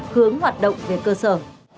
hướng hoạt động về cơ sở